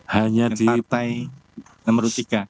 hanya di nomor tiga